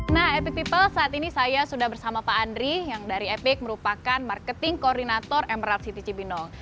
nah epic people saat ini saya sudah bersama pak andri yang dari epic merupakan marketing koordinator emerald city cibinong